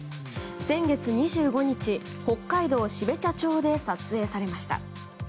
先月２５日、北海道標茶町で撮影されました。